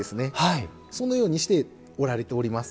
そのようにして織られております。